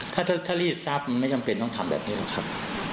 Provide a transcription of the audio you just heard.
ถ้าที่รีดทรัพย์ไม่จำเป็นต้องทำแบบนี้แล้วครับ